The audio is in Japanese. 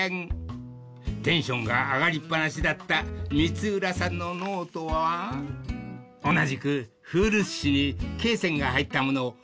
［テンションが上がりっ放しだった光浦さんのノートは同じくフールス紙にけい線が入ったもの